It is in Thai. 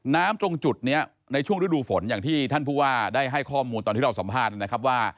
ตรงจุดนี้ในช่วงฤดูฝนอย่างที่ท่านผู้ว่าได้ให้ข้อมูลตอนที่เราสัมภาษณ์นะครับว่า